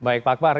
baik pak akbar